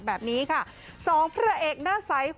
แบบนี้ค่ะ๒พระเอกหน้าไซค์